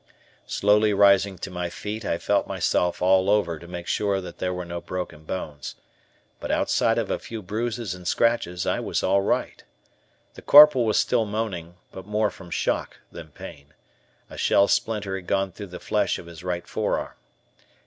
Slowly rising to my feet I felt myself all over to make sure that there were no broken bones. But outside of a few bruises and scratches, I was all right. The Corporal was still moaning, but more from shock than pain. A shell splinter had gone through the flesh of his right forearm.